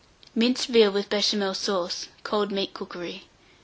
MINCED VEAL, with Béchamel Sauce (Cold Meat Cookery).